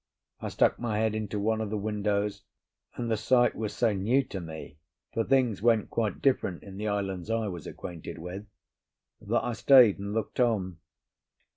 I stuck my head into one of the windows, and the sight was so new to me—for things went quite different in the islands I was acquainted with—that I stayed and looked on.